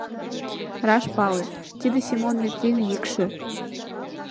Раш пале: тиде Семон Метрин йӱкшӧ.